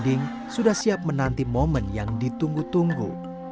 pemerintah modo inding sudah siap menanti momen yang ditunggu tunggu